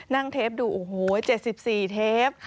นั่งเทปดูโอ้โหเห้ย๗๔เทป